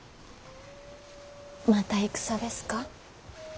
また戦ですか。